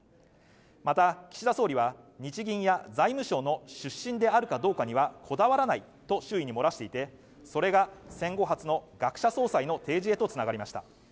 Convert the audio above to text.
また岸田総理は日銀や財務省の出身であるかどうかにはこだわらないと周囲に漏らしていてそれが戦後初の学者総裁の提示へとつながりました